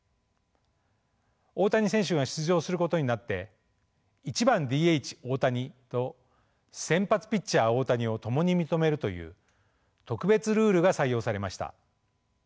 大谷選手が出場することになって「１番ＤＨ大谷」と「先発ピッチャー大谷」を共に認めるという特別ルールが採用されました。